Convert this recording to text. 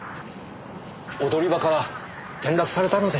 踊り場から転落されたのでしょうかねえ。